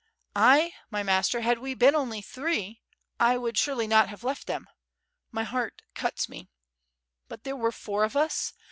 "T, my master, had we been only three, T would surely not liave left them, .... my heart cuts me .... but there were four of us